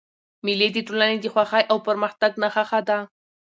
مېلې د ټولني د خوښۍ او پرمختګ نخښه ده.